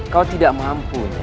kau tidak mampu nek